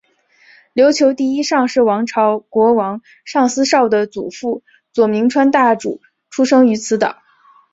琉球第一尚氏王朝国王尚思绍的祖父佐铭川大主出生于此岛。